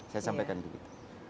saya sampaikan begitu